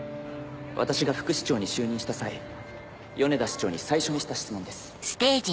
私が副市長に就任した際米田市長に最初にした質問です。